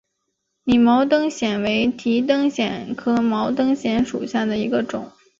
拟毛灯藓为提灯藓科毛灯藓属下的一个种。